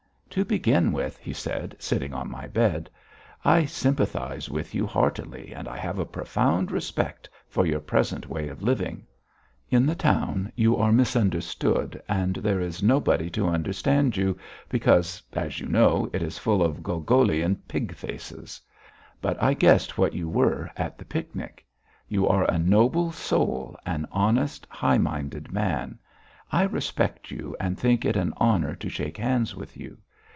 "To begin with," he said, sitting on my bed, "I sympathise with you heartily, and I have a profound respect for your present way of living. In the town you are misunderstood and there is nobody to understand you, because, as you know, it is full of Gogolian pig faces. But I guessed what you were at the picnic. You are a noble soul, an honest, high minded man! I respect you and think it an honour to shake hands with you.